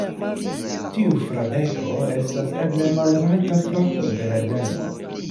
Tiu Fradeko estas eble malrajta frato de Herbeno.